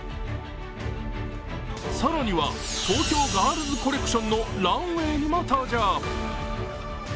更には東京ガールズコレクションのランウェイにも登場。